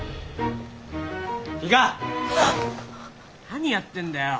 何やってんだよ。